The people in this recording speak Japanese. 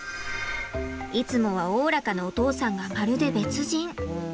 いつもはおおらかなお父さんがまるで別人。